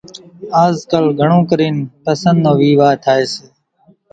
آزڪالِ گھڻون ڪرينَ پسنۮ نو ويوا ٿائيَ سي۔